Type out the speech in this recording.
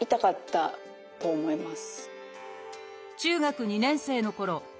中学２年生のころ